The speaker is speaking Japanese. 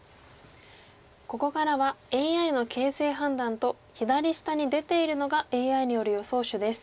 ここからはＡＩの形勢判断と左下に出ているのがＡＩによる予想手です。